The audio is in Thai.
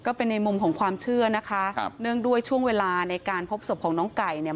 ก็เป็นในมุมของความเชื่อนะคะครับเนื่องด้วยช่วงเวลาในการพบศพของน้องไก่เนี่ย